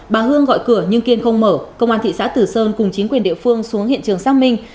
bà hương gọi cửa nhưng kiên không mở công an thị xã tử sơn cùng chính quyền địa phương xuống hiện trường xác minh